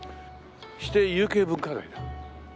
指定有形文化財だ。